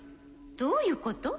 どういうこと？